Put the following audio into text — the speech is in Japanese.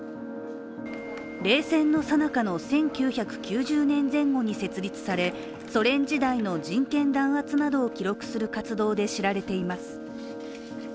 冷戦のさなかの１９９０年前後に設立されソ連時代の人権弾圧などを記録する活動で知られています。